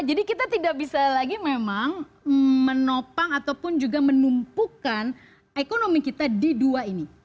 jadi kita tidak bisa lagi memang menopang ataupun juga menumpukan ekonomi kita di dua ini